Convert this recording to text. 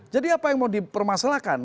jadi apa yang mau dipermasalahkan